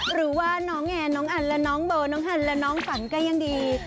หรือว่าน้องแอร์น้องอันและน้องโบน้องฮันและน้องฝันก็ยังดี